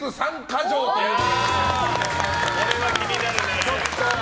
これは気になるね。